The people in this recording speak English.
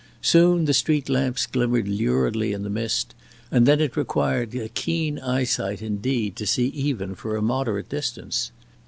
Soon the street lamps glimmered luridly in the mist, and then it required a keen eyesight indeed to see even for a moderate distance.